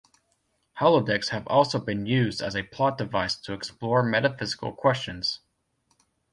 Holodecks have also been used as a plot device to explore metaphysical questions.